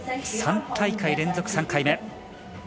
３大会連続、３回目。